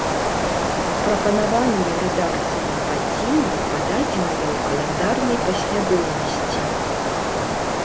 Прапанаваныя рэдакцыяй падзеі пададзеныя ў каляндарнай паслядоўнасці.